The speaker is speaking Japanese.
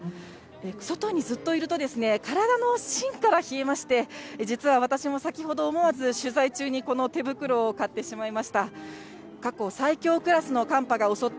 外にずっといると、体のしんから冷えまして、実は私も先ほど、思わず取材中にこの手袋を買ってしまいました。